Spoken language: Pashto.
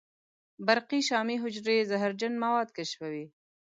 برقي شامي حجرې زهرجن مواد کشفوي.